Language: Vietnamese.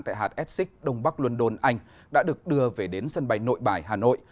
tại hạt essex đông bắc luân đôn anh đã được đưa về đến sân bay nội bài hà nội